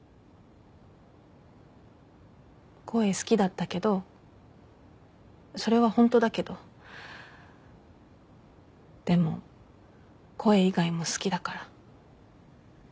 声好きだったけどそれはホントだけどでも声以外も好きだから。